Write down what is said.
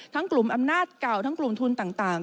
กลุ่มอำนาจเก่าทั้งกลุ่มทุนต่าง